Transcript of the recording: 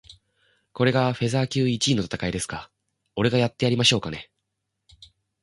これがフェザー級一位の戦いですか？俺がやってやりましょうかね。